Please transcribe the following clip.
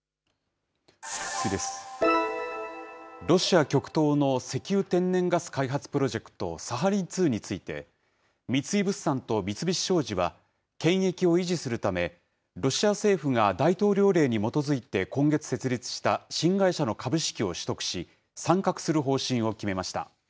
ロシア極東の石油・天然ガス開発プロジェクト、サハリン２について、三井物産と三菱商事は、権益を維持するため、ロシア政府が大統領令に基づいて今月設立した新会社の株式を取得し、参画する方針を決めました。